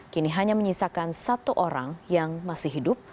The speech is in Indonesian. kini hanya menyisakan satu orang yang masih hidup